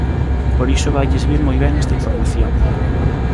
Por iso vailles vir moi ben esta información.